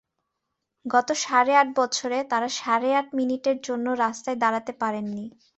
গত সাড়ে আট বছরে তাঁরা সাড়ে আট মিনিটের জন্যও রাস্তায় দাঁড়াতে পারেননি।